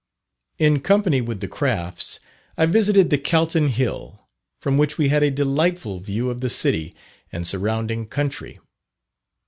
In company with the Crafts, I visited the Calton Hill, from which we had a delightful view of the city and surrounding country.